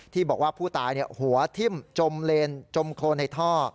ที่บอกว่าผู้ตายหัวทิ่มจมเลนจมโครนในท่อ